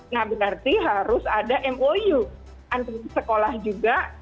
nah berarti harus ada mou antara sekolah juga